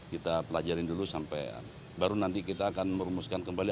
kita pelajarin dulu sampai baru nanti kita akan merumuskan kembali